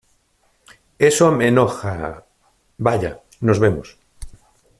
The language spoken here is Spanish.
eso me enoja... ¡ vaya, nos vemos! ...